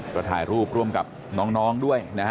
ก็ถ่ายรูปร่วมกับน้องด้วยนะฮะ